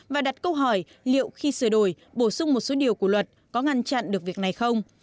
và đặt câu hỏi liệu khi sửa đổi bổ sung một số điều của luật có ngăn chặn được việc này không